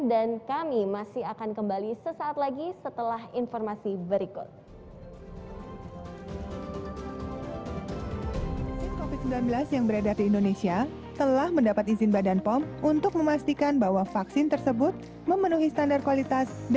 dan kami masih akan kembali sesaat lagi setelah informasi berikut